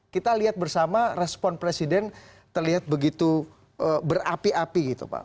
kita lihat bersama respon presiden terlihat begitu berapi api gitu pak